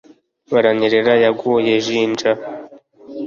baranyerera yaguye jinja